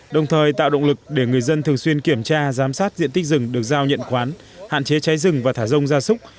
đồng thời tạo động lực để người dân thường xuyên kiểm tra giám sát diện tích rừng được giao nhận khoán hạn chế cháy rừng và thả rông gia súc